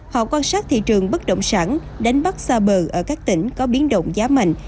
họ quan sát thị trường bất động sản đánh bắt xa bờ ở các tỉnh có biến động giá mạnh